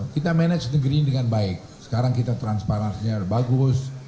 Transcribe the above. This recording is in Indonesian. kita manage negeri ini dengan baik sekarang kita transparansinya bagus